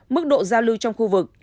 mức độ giao lưu trong khu vực